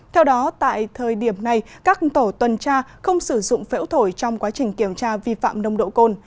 theo đó tại thời điểm này các tổ tuần tra không sử dụng phễu thổi trong quá trình kiểm tra vi phạm nông độ côn